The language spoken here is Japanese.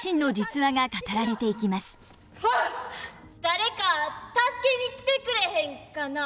誰か助けに来てくれへんかな。